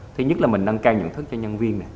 thứ nhất là mình nâng cao nhận thức cho nhân viên này